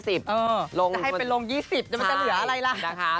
จะให้เป็นลง๒๐มันจะเหลืออะไรล่ะ